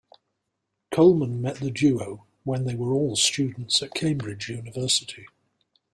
Colman met the duo when they were all students at Cambridge University.